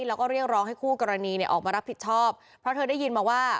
แล้วก็เรียกร้องให้คู่กรณีเนี่ยออกมารับผิดชอบเพราะเธอได้ยินมาว่า